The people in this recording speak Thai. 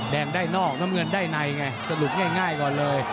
แดงได้นอกน้ำเงินได้ในไงสรุปง่ายก่อนเลย